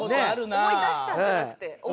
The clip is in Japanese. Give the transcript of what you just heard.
思い出したんじゃなくて？